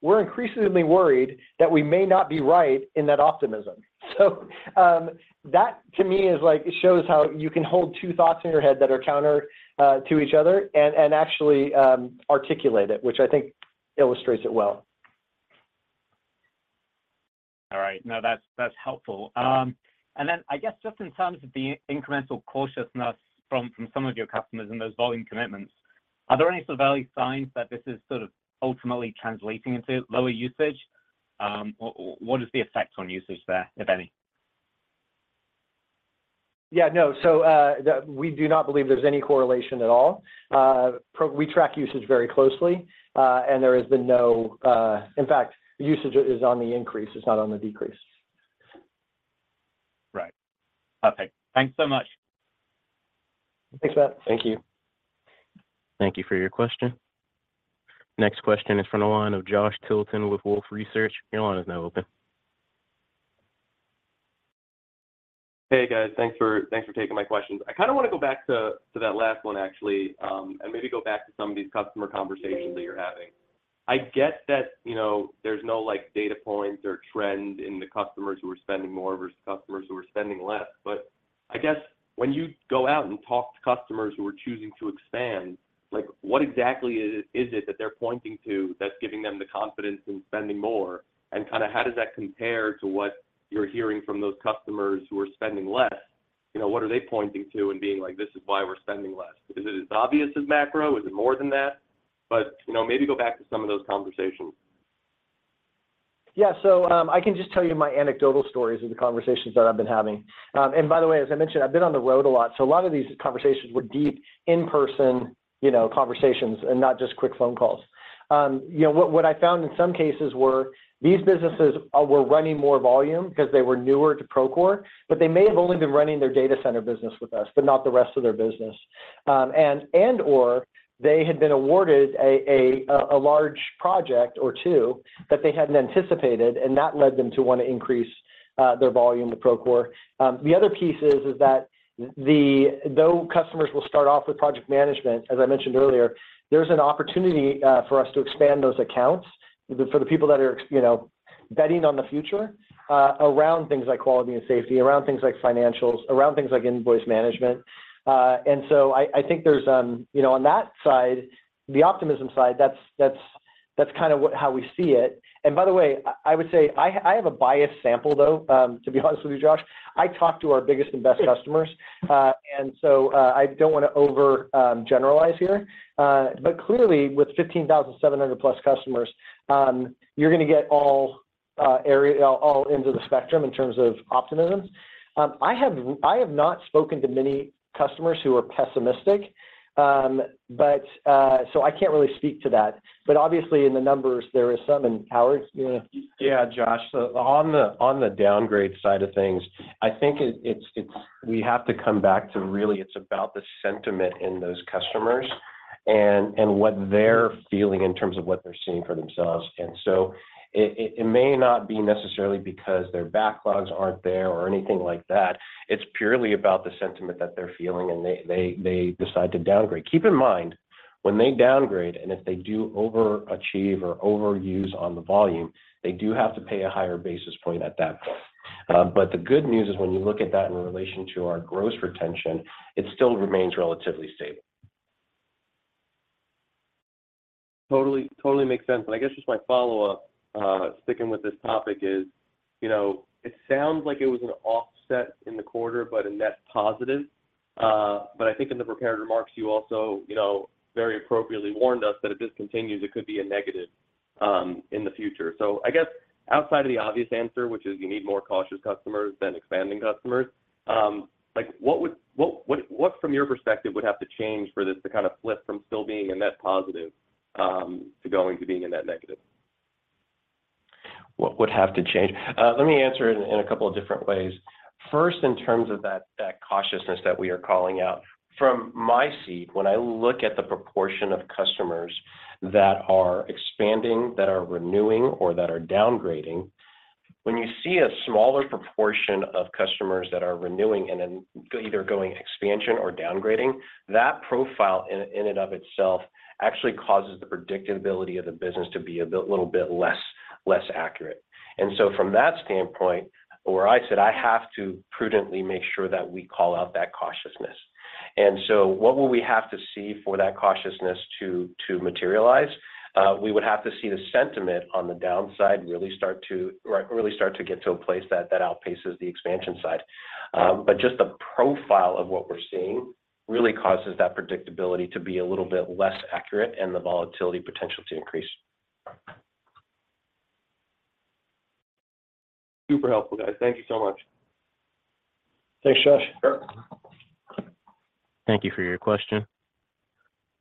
"But we're increasingly worried that we may not be right in that optimism." That to me is like, it shows how you can hold two thoughts in your head that are counter to each other and, and actually, articulate it, which I think illustrates it well. All right. No, that's, that's helpful. I guess just in terms of the incremental cautiousness from, from some of your customers and those volume commitments, are there any sort of early signs that this is sort of ultimately translating into lower usage? Or, or what is the effect on usage there, if any? Yeah, no. We do not believe there's any correlation at all. We track usage very closely, and there has been no. In fact, usage is on the increase, it's not on the decrease. Right. Okay, thanks so much. Thanks, Matt. Thank you. Thank you for your question. Next question is from the line of Josh Tilton with Wolfe Research. Your line is now open. Hey, guys. Thanks for, thanks for taking my questions. I kind of want to go back to, to that last one actually, and maybe go back to some of these customer conversations that you're having. I get that, you know, there's no, like, data points or trend in the customers who are spending more versus customers who are spending less, but I guess when you go out and talk to customers who are choosing to expand, like, what exactly is, is it that they're pointing to that's giving them the confidence in spending more? Kind of how does that compare to what you're hearing from those customers who are spending less? You know, what are they pointing to and being like, "This is why we're spending less?" Is it as obvious as macro? Is it more than that? You know, maybe go back to some of those conversations. Yeah, I can just tell you my anecdotal stories of the conversations that I've been having. By the way, as I mentioned, I've been on the road a lot, so a lot of these conversations were deep, in-person, you know, conversations and not just quick phone calls. You know, what I found in some cases were these businesses were running more volume 'cause they were newer to Procore, but they may have only been running their data center business with us, but not the rest of their business. And/or they had been awarded a large project or two that they hadn't anticipated, and that led them to want to increase their volume to Procore. The other piece is, is that though customers will start off with project management, as I mentioned earlier, there's an opportunity for us to expand those accounts for the people that are you know, betting on the future, around things like quality and safety, around things like financials, around things like invoice management. I, I think there's, you know, on that side, the optimism side, that's, that's, that's kind of how we see it. By the way, I, I would say I, I have a biased sample, though, to be honest with you, Josh. I talk to our biggest and best customers, I don't wanna over generalize here. But clearly, with 15,700+ customers, you're gonna get all area all, all ends of the spectrum in terms of optimism. I have, I have not spoken to many customers who are pessimistic, but, so I can't really speak to that. Obviously, in the numbers, there is some. Howard, do you wanna- Yeah, Josh. On the, on the downgrade side of things, I think it's we have to come back to really it's about the sentiment in those customers and, and what they're feeling in terms of what they're seeing for themselves. It, it, it may not be necessarily because their backlogs aren't there or anything like that. It's purely about the sentiment that they're feeling, and they, they, they decide to downgrade. Keep in mind, when they downgrade, and if they do overachieve or overuse on the volume, they do have to pay a higher basis point at that point. The good news is when you look at that in relation to our gross retention, it still remains relatively stable. Totally, totally makes sense. I guess just my follow-up, sticking with this topic is, you know, it sounds like it was an offset in the quarter, but a net positive. I think in the prepared remarks, you also, you know, very appropriately warned us that if this continues, it could be a negative in the future. I guess outside of the obvious answer, which is you need more cautious customers than expanding customers, like, what would... what from your perspective, would have to change for this to kind of flip from still being a net positive to going to being a net negative? What would have to change? Let me answer it in, in a couple of different ways. First, in terms of that, that cautiousness that we are calling out, from my seat, when I look at the proportion of customers that are expanding, that are renewing, or that are downgrading, when you see a smaller proportion of customers that are renewing and then either going expansion or downgrading, that profile in and of itself actually causes the predictability of the business to be a bit, little bit less, less accurate. So from that standpoint, where I said I have to prudently make sure that we call out that cautiousness. So what will we have to see for that cautiousness to, to materialize? We would have to see the sentiment on the downside really start to, like, really start to get to a place that, that outpaces the expansion side. Just the profile of what we're seeing really causes that predictability to be a little bit less accurate and the volatility potential to increase. Super helpful, guys. Thank you so much. Thanks, Josh. Sure. Thank you for your question.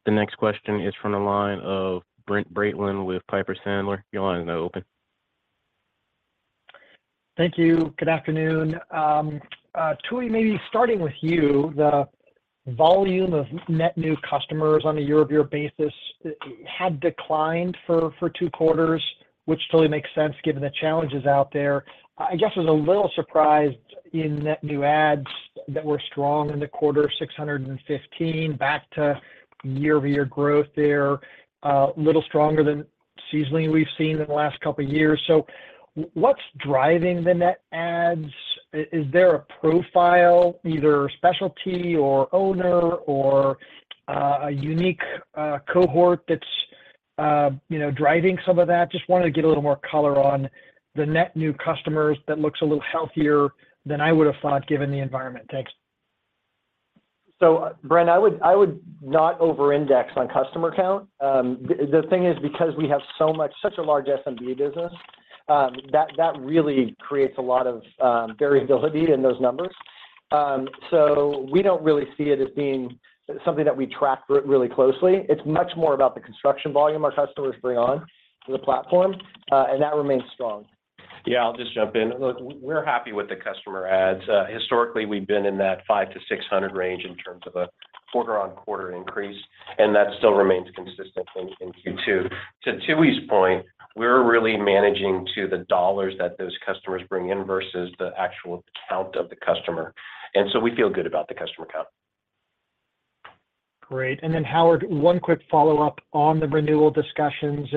The next question is from the line of Brent Bracelin with Piper Sandler. Your line is now open. Thank you. Good afternoon. Tooey, maybe starting with you, the volume of net new customers on a year-over-year basis had declined for two quarters, which totally makes sense given the challenges out there. I guess I was a little surprised in net new adds that were strong in the quarter, 615, back to year-over-year growth there, a little stronger than seasonally we've seen in the last two years. What's driving the net adds? Is there a profile, either specialty or owner or a unique cohort that's, you know, driving some of that? Just wanted to get a little more color on the net new customers that looks a little healthier than I would have thought, given the environment. Thanks. Brent, I would, I would not over-index on customer count. The, the thing is, because we have so much, such a large SMB business, that, that really creates a lot of variability in those numbers. So we don't really see it as being something that we track re- really closely. It's much more about the construction volume our customers bring on to the platform, and that remains strong. Yeah, I'll just jump in. Look, we're happy with the customer adds. Historically, we've been in that 500-600 range in terms of a quarter-on-quarter increase, and that still remains consistent in Q2. To Tooey's point, we're really managing to the dollars that those customers bring in versus the actual count of the customer, and so we feel good about the customer count. Great. Then, Howard, one quick follow-up on the renewal discussions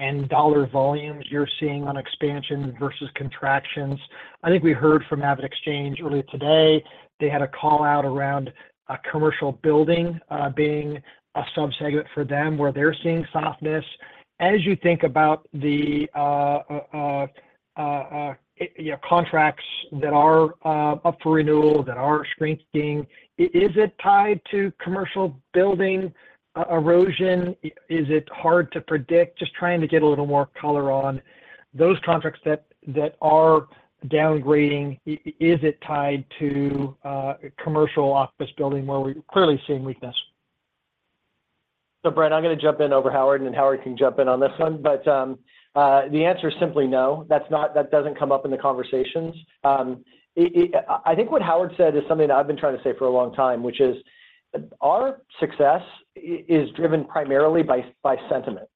and dollar volumes you're seeing on expansion versus contractions. I think we heard from AvidXchange earlier today. They had a call out around commercial building being a subsegment for them, where they're seeing softness. As you think about the.... you know, contracts that are up for renewal, that are shrinking. Is it tied to commercial building erosion? Is it hard to predict? Just trying to get a little more color on those contracts that are downgrading. Is it tied to commercial office building, where we're clearly seeing weakness? Brent, I'm gonna jump in over Howard, and then Howard can jump in on this one. The answer is simply no. That's not. That doesn't come up in the conversations. I think what Howard said is something I've been trying to say for a long time, which is, our success is driven primarily by, by sentiment.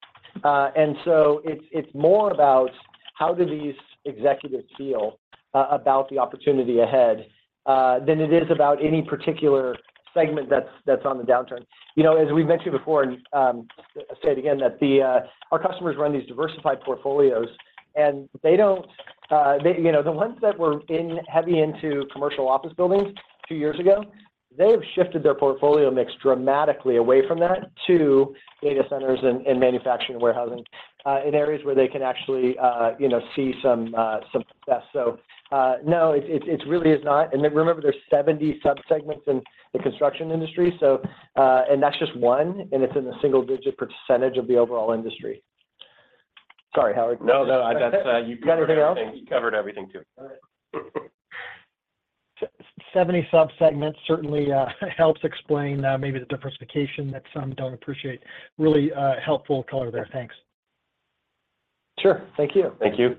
It's, it's more about how do these executives feel, about the opportunity ahead, than it is about any particular segment that's, that's on the downturn. You know, as we've mentioned before, and, I'll say it again, that the, Our customers run these diversified portfolios, and they don't, you know, the ones that were in heavy into commercial office buildings two years ago, they have shifted their portfolio mix dramatically away from that to data centers and, and manufacturing and warehousing, in areas where they can actually, you know, see some success. No, it, it, it really is not. Remember, there's 70 subsegments in the construction industry, and that's just one, and it's in the single-digit % of the overall industry. Sorry, Howard. No, no. You got anything else? You covered everything too. All right. 70 subsegments certainly helps explain maybe the diversification that some don't appreciate. Really helpful color there. Thanks. Sure. Thank you. Thank you.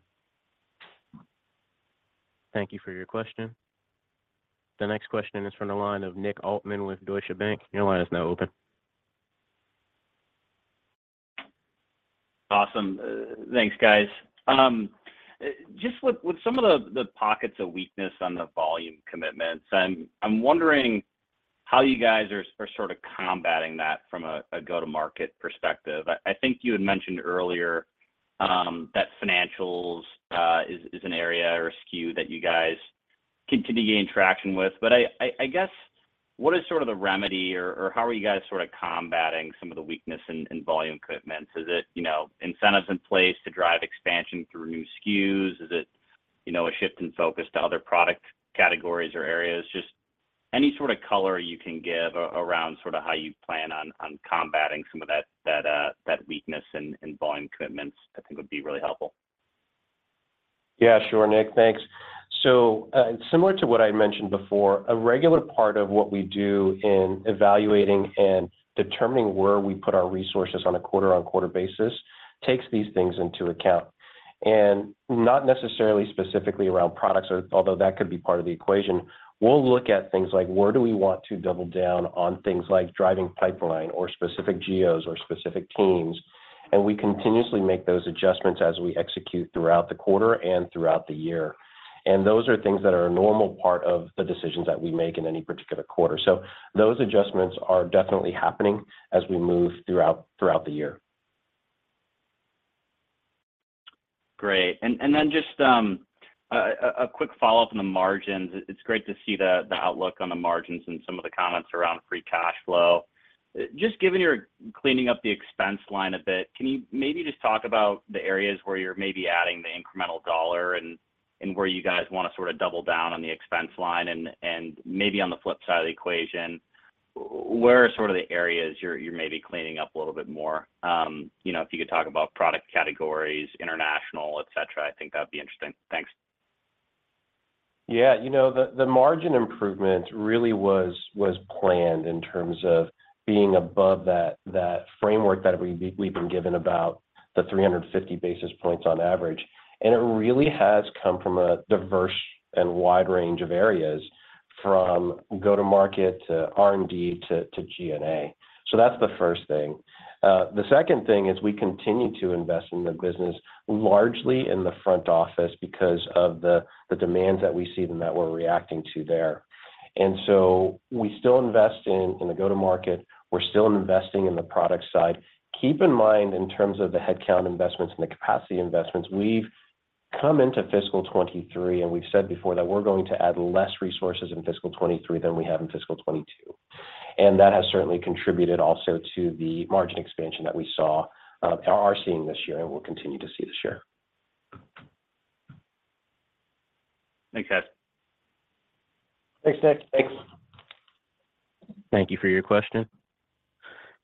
Thank you for your question. The next question is from the line of Nick Altmann with Deutsche Bank. Your line is now open. Awesome. Thanks, guys. Just with, with some of the, the pockets of weakness on the volume commitments, I'm, I'm wondering how you guys are sort of combating that from a go-to-market perspective. I, think you had mentioned earlier that financials is, is an area or a SKU that you guys continue to gain traction with. I, guess, what is sort of the remedy or, or how are you guys sort of combating some of the weakness in, in volume commitments? Is it, you know, incentives in place to drive expansion through new SKUs? Is it, you know, a shift in focus to other product categories or areas? Just any sort of color you can give around sort of how you plan on, on combating some of that, that weakness in, in volume commitments, I think, would be really helpful. Yeah, sure, Nick. Thanks. Similar to what I mentioned before, a regular part of what we do in evaluating and determining where we put our resources on a quarter-on-quarter basis takes these things into account, and not necessarily specifically around products or... although that could be part of the equation. We'll look at things like, where do we want to double down on things like driving pipeline or specific geos or specific teams, and we continuously make those adjustments as we execute throughout the quarter and throughout the year. Those are things that are a normal part of the decisions that we make in any particular quarter. Those adjustments are definitely happening as we move throughout, throughout the year. Great. Then just a quick follow-up on the margins. It's great to see the outlook on the margins and some of the comments around free cash flow. Just given you're cleaning up the expense line a bit, can you maybe just talk about the areas where you're maybe adding the incremental dollar and where you guys want to sort of double down on the expense line? Maybe on the flip side of the equation, where are sort of the areas you're, you're maybe cleaning up a little bit more? You know, if you could talk about product categories, international, et cetera, I think that'd be interesting. Thanks. Yeah, you know, the, the margin improvement really was, was planned in terms of being above that, that framework that we've, we've been given about the 350 basis points on average. It really has come from a diverse and wide range of areas, from go-to-market to R&D to, to G&A. That's the first thing. The second thing is we continue to invest in the business, largely in the front office because of the, the demands that we see and that we're reacting to there. We still invest in, in the go-to-market. We're still investing in the product side. Keep in mind, in terms of the headcount investments and the capacity investments, we've come into fiscal 2023, and we've said before that we're going to add less resources in fiscal 2023 than we have in fiscal 2022. That has certainly contributed also to the margin expansion that we saw, or are seeing this year and will continue to see this year. Thanks, guys. Thanks, Nick. Thanks. Thank you for your question.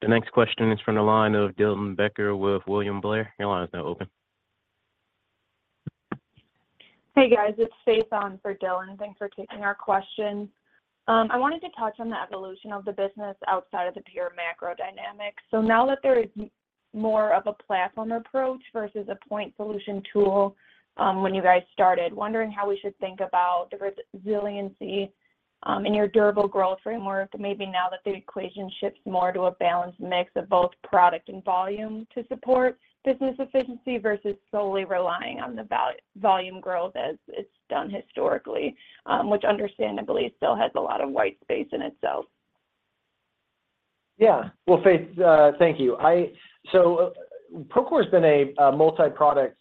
The next question is from the line of Dylan Becker with William Blair. Your line is now open. Hey, guys. It's Faith on for Dylan. Thanks for taking our question. I wanted to touch on the evolution of the business outside of the pure macro dynamics. Now that there is more of a platform approach versus a point solution tool, when you guys started, wondering how we should think about the resiliency in your durable growth framework, maybe now that the equation shifts more to a balanced mix of both product and volume to support business efficiency versus solely relying on the volume growth as it's done historically, which understandably still has a lot of white space in itself. Yeah. Well, Faith, thank you. Procore has been a multiproduct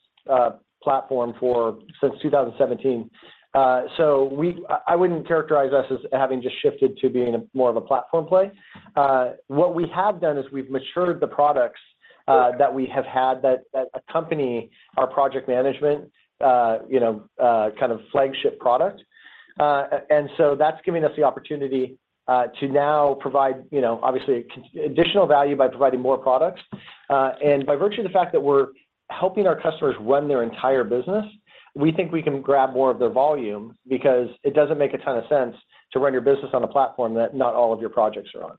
platform for since 2017. I wouldn't characterize us as having just shifted to being a more of a platform play. What we have done is we've matured the products- ... that we have had that, that accompany our project management, you know, kind of flagship product. That's giving us the opportunity to now provide, you know, obviously, additional value by providing more products. By virtue of the fact that we're helping our customers run their entire business, we think we can grab more of their volume because it doesn't make a ton of sense to run your business on a platform that not all of your projects are on.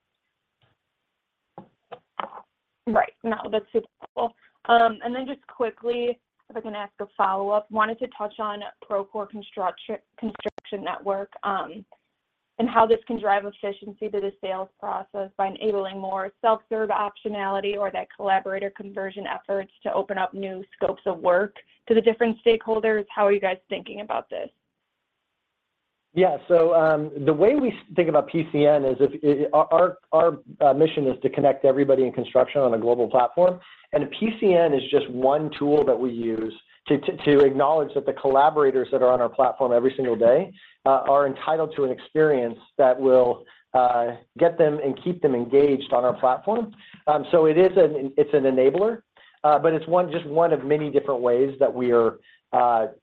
Right. No, that's super cool. Then just quickly, if I can ask a follow-up, wanted to touch on Procore Construction Network, and how this can drive efficiency to the sales process by enabling more self-serve optionality or that collaborator conversion efforts to open up new scopes of work to the different stakeholders. How are you guys thinking about this? Yeah. The way we think about PCN is if, our, our mission is to connect everybody in construction on a global platform, PCN is just one tool that we use to, to, to acknowledge that the collaborators that are on our platform every single day, are entitled to an experience that will get them and keep them engaged on our platform. It's an enabler, but it's just one of many different ways that we are,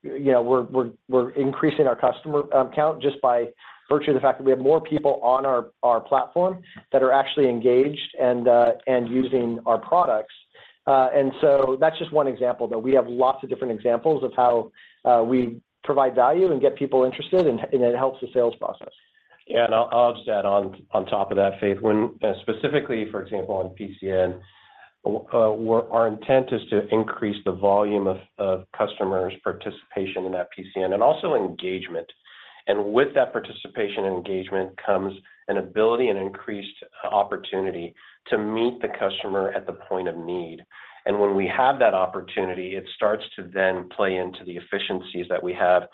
you know, we're, we're, we're increasing our customer count just by virtue of the fact that we have more people on our, our platform that are actually engaged and, and using our products. That's just one example, though. We have lots of different examples of how we provide value and get people interested, and, and it helps the sales process. Yeah, and I'll, I'll just add on, on top of that, Faith, when specifically, for example, on PCN, our intent is to increase the volume of, of customers' participation in that PCN, and also engagement. With that participation and engagement comes an ability and increased opportunity to meet the customer at the point of need. When we have that opportunity, it starts to then play into the efficiencies that we have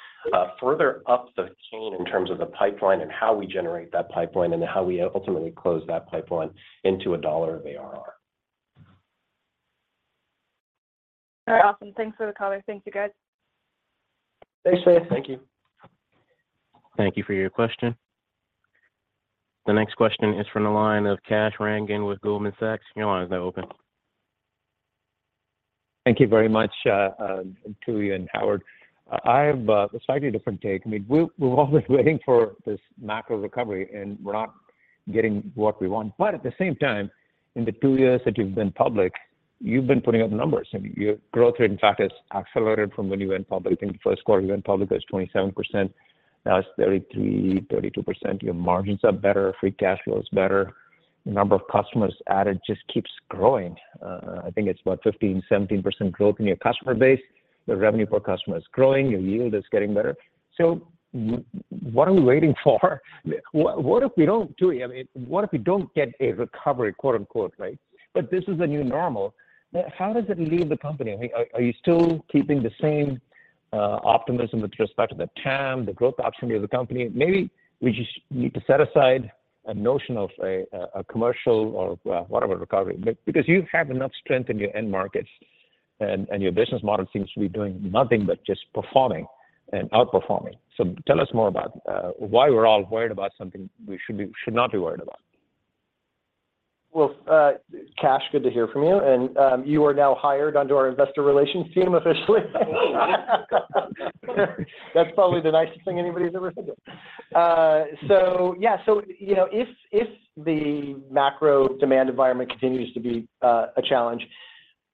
further up the chain in terms of the pipeline and how we generate that pipeline and how we ultimately close that pipeline into a dollar of ARR. All right. Awesome. Thanks for the color. Thank you, guys. Thanks, Faith. Thank you. Thank you for your question. The next question is from the line of Kash Rangan with Goldman Sachs. Your line is now open. Thank you very much, Tooey and Howard Fu. I have a slightly different take. I mean, we're always waiting for this macro recovery, and we're not getting what we want. At the same time, in the 2 years that you've been public, you've been putting up numbers, and your growth rate, in fact, has accelerated from when you went public. In the Q1, you went public, that was 27%. Now, it's 33%, 32%. Your margins are better, free cash flow is better. The number of customers added just keeps growing. I think it's about 15%, 17% growth in your customer base. The revenue per customer is growing, your yield is getting better. What are we waiting for? What if we don't, Tooey... I mean, what if we don't get a recovery, quote, unquote, right? This is the new normal. Now, how does it leave the company? I mean, are you still keeping the same optimism with respect to the TAM, the growth opportunity of the company? Maybe we just need to set aside a notion of a, a, a commercial or whatever recovery. Because you have enough strength in your end markets and, and your business model seems to be doing nothing but just performing and outperforming. Tell us more about why we're all worried about something we should be- we should not be worried about. Well, Kash, good to hear from you, and you are now hired onto our investor relations team officially. Oh, wow! That's probably the nicest thing anybody's ever said to me. Yeah. You know, if the macro demand environment continues to be a challenge,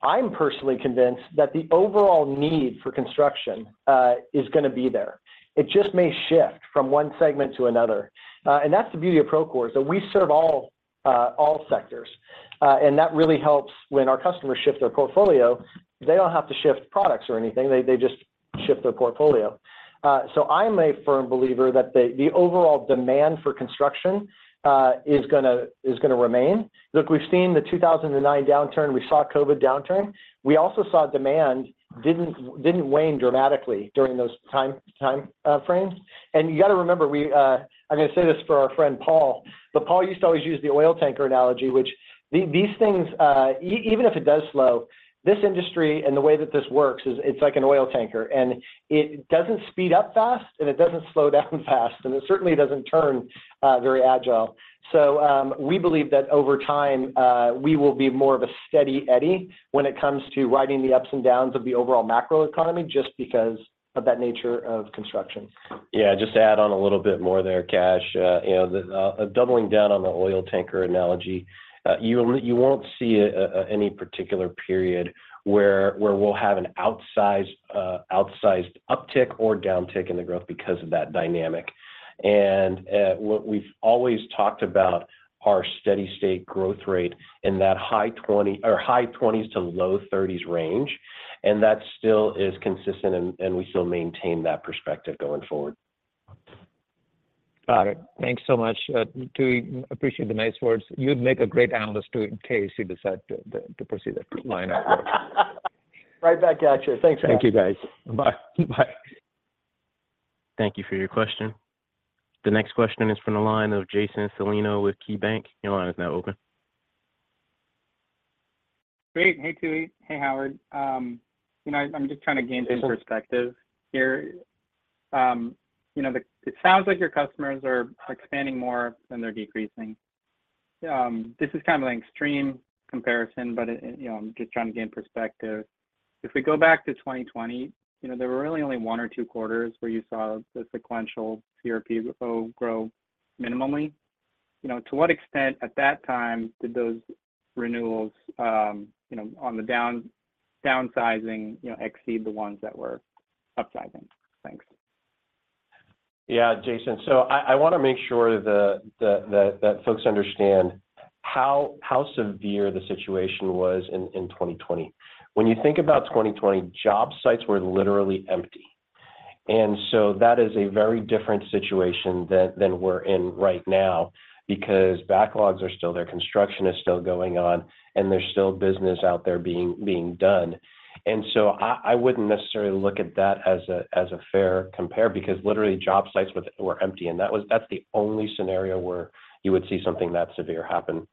I'm personally convinced that the overall need for construction is gonna be there. It just may shift from one segment to another. That's the beauty of Procore, is that we serve all sectors. That really helps when our customers shift their portfolio. They don't have to shift products or anything. They, they just shift their portfolio. I'm a firm believer that the overall demand for construction is gonna remain. Look, we've seen the 2009 downturn. We saw a COVID downturn. We also saw demand didn't, didn't wane dramatically during those time, time frames. You got to remember, we... I'm gonna say this for our friend, Paul, but Paul used to always use the oil tanker analogy, which these things, even if it does slow, this industry and the way that this works is it's like an oil tanker, and it doesn't speed up fast, and it doesn't slow down fast, and it certainly doesn't turn very agile. We believe that over time, we will be more of a steady Eddie when it comes to riding the ups and downs of the overall macroeconomy just because of that nature of construction. Yeah, just to add on a little bit more there, Kash. you know, the doubling down on the oil tanker analogy, you won't see, any particular period where, where we'll have an outsized, outsized uptick or downtick in the growth because of that dynamic. What we've always talked about, our steady state growth rate in that high twenties to low thirties range, and that still is consistent, and we still maintain that perspective going forward. Got it. Thanks so much, Tooey, appreciate the nice words. You'd make a great analyst, too, in case you decide to pursue that line of work. Right back at you. Thanks, Kash. Thank you, guys. Bye-bye. Thank you for your question. The next question is from the line of Jason Celino with KeyBanc. Your line is now open. Great. Hey, Tooey. Hey, Howard. you know, I'm just trying to gain some perspective here. you know, it sounds like your customers are expanding more than they're decreasing. This is kind of an extreme comparison, but it, it, you know, I'm just trying to gain perspective. If we go back to 2020, you know, there were really only 1 or 2 quarters where you saw the sequential CRPO grow minimally. You know, to what extent at that time did those renewals, you know, on the down- downsizing, you know, exceed the ones that were upsizing? Thanks. Yeah, Jason. I, wanna make sure folks understand how, how severe the situation was in 2020. When you think about 2020, job sites were literally empty. That is a very different situation than, than we're in right now, because backlogs are still there, construction is still going on, and there's still business out there being, being done. I, I wouldn't necessarily look at that as a, as a fair compare, because literally job sites were, were empty, and that was. That's the only scenario where you would see something that severe happen.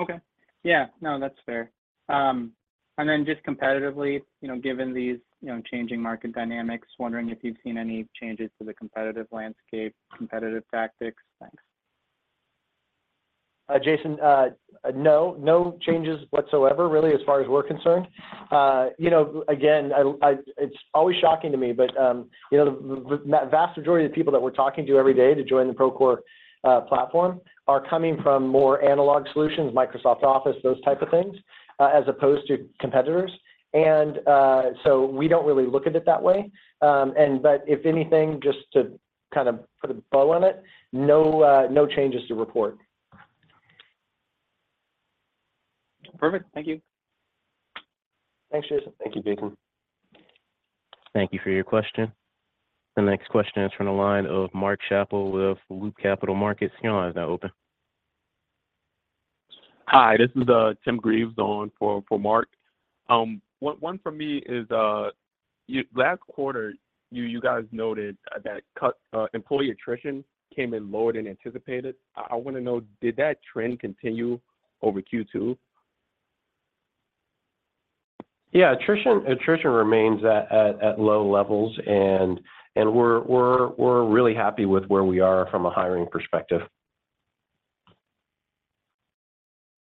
Okay. Yeah, no, that's fair. Then just competitively, you know, given these, you know, changing market dynamics, wondering if you've seen any changes to the competitive landscape, competitive tactics? Thanks. Jason, no, no changes whatsoever, really, as far as we're concerned. You know, again, I, I, it's always shocking to me, but, you know, the, the vast majority of people that we're talking to every day to join the Procore platform are coming from more analog solutions, Microsoft Office, those type of things, as opposed to competitors. We don't really look at it that way. If anything, just to kind of put a bow on it, no, no changes to report. Perfect. Thank you. Thanks, Jason. Thank you, Jason. Thank you for your question. The next question is from the line of Mark Chappell with Loop Capital Markets. You know, is that open? Hi, this is Tim Greaves on for Mark. One for me is, last quarter, you guys noted that employee attrition came in lower than anticipated. I wanna know, did that trend continue over Q2? Yeah, attrition, attrition remains at low levels, and we're really happy with where we are from a hiring perspective.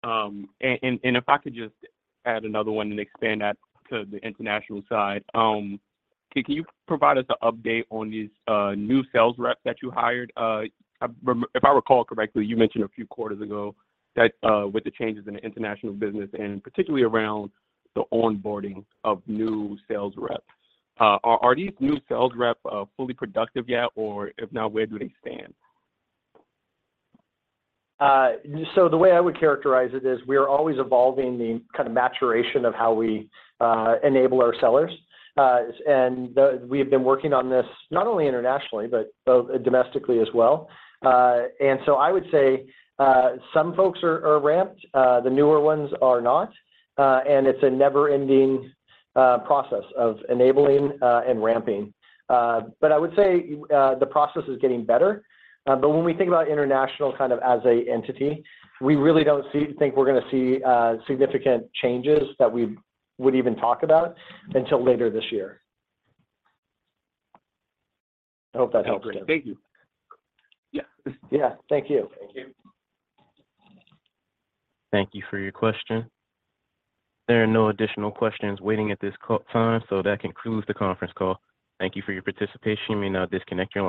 If I could just add another one and expand that to the international side. Can you provide us an update on these new sales reps that you hired? I rem-- if I recall correctly, you mentioned a few quarters ago that with the changes in the international business, and particularly around the onboarding of new sales reps. Are these new sales reps fully productive yet? Or if not, where do they stand? The way I would characterize it is we are always evolving the kind of maturation of how we enable our sellers. We have been working on this not only internationally, but both domestically as well. I would say, some folks are ramped, the newer ones are not, and it's a never-ending process of enabling and ramping. I would say, the process is getting better. When we think about international kind of as an entity, we really don't think we're gonna see significant changes that we would even talk about until later this year. I hope that helps you. Thank you. Yeah. Yeah, thank you. Thank you. Thank you for your question. There are no additional questions waiting at this call time. That concludes the conference call. Thank you for your participation. You may now disconnect your line.